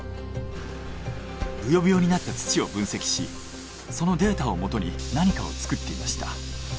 ぶよぶよになった土を分析しそのデータをもとに何かを作っていました。